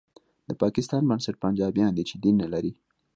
د پاکستان بنسټ پنجابیان دي چې دین نه لري